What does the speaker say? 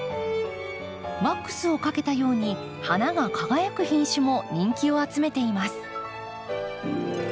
ワックスをかけたように花が輝く品種も人気を集めています。